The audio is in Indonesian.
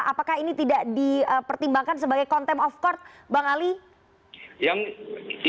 apakah ini tidak dipertimbangkan sebagai contempt of court bang ali